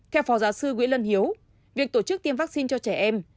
theo phó giáo sư nguyễn lân hiếu việc tổ chức tiêm vắc xin cho trẻ em